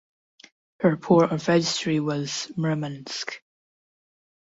Her port of registry was Murmansk.